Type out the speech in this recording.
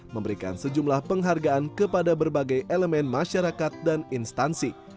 memberikan sejumlah penghargaan kepada berbagai elemen masyarakat dan instansi